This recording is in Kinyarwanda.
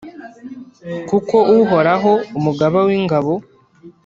kuko Uhoraho, Umugaba w’ingabo,